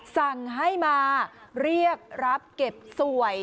สั่งให้มาเรียกรับเก็บสวย